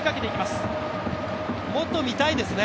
もっと見たいですね。